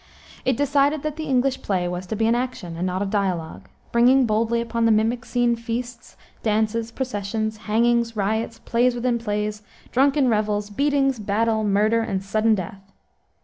It decided that the English play was to be an action, and not a dialogue, bringing boldly upon the mimic scene feasts, dances, processions, hangings, riots, plays within plays, drunken revels, beatings, battle, murder, and sudden death.